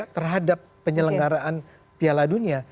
terhadap penyelenggaraan piala dunia